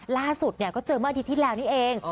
ล่าสุดเนี่ยก็เจอเมื่อดีที่แล้วนี้เอง